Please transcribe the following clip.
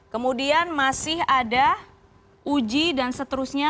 kemudian masih ada uji dan seterusnya